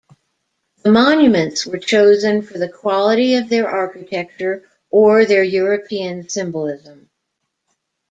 The monuments were chosen for the quality of their architecture or their European symbolism.